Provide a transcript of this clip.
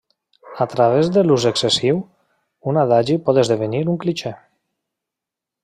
A través de l'ús excessiu, un adagi pot esdevenir un clixé.